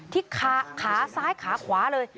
ที่ขาซ้ายขาขวาเลย